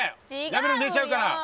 やめろ寝ちゃうから。